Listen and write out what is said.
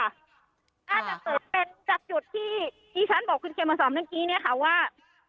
น่าจะเกิดเป็นจากจุดที่ที่ฉันบอกคุณเขมรสองเมื่อกี้ค่ะว่า